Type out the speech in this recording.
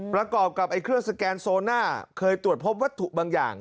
ประกอบกับเครื่องสแกนโซน่าเคยตรวจพบวัตถุบางอย่าง